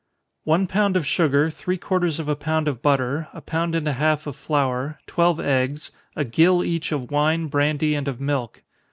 _ One pound of sugar, three quarters of a pound of butter, a pound and a half of flour, twelve eggs, a gill each of wine, brandy, and of milk.